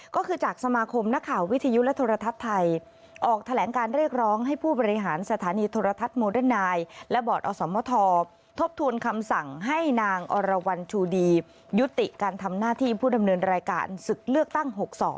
ก็คือจากสมาคมนักข่าววิทยุและโทรทัศน์ไทยออกแถลงการเรียกร้องให้ผู้บริหารสถานีโทรทัศน์โมเดิร์นนายและบอร์ดอสมทบทวนคำสั่งให้นางอรวรรณชูดียุติการทำหน้าที่ผู้ดำเนินรายการศึกเลือกตั้ง๖๒